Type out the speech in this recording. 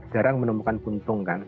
jarang menemukan puntung kan